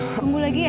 kenggu lagi ya